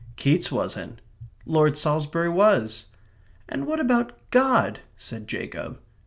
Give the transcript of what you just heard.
"Keats wasn't." "Lord Salisbury was." "And what about God?" said Jacob.